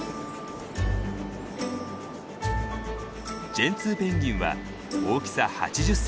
ジェンツーペンギンは大きさ８０センチほど。